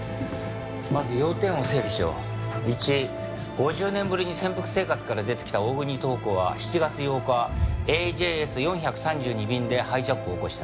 ５０年ぶりに潜伏生活から出てきた大國塔子は７月８日ＡＪＳ４３２便でハイジャックを起こした。